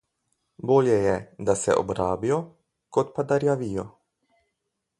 Bolje je, da se obrabijo, kot pa da rjavijo.